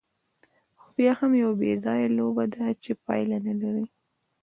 خو بیا هم یوه بېځایه لوبه ده، چې پایله نه لري.